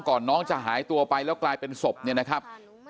น้องจะหายตัวไปแล้วกลายเป็นศพเนี่ยนะครับ